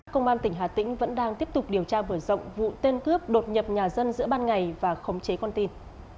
công an tỉnh hà tĩnh vẫn đang tiếp tục điều tra mở rộng vụ tên cướp đột nhập nhà dân giữa ban ngày và khống chế con tin